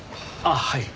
あっはい。